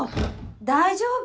大丈夫？